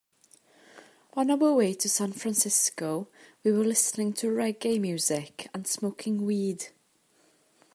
On our way to San Francisco, we were listening to reggae music and smoking weed.